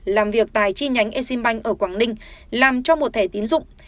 làm việc tài chi nhánh eximbank ở quảng ninh làm cho một thẻ tín dụng